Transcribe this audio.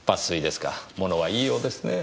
ものは言いようですねぇ。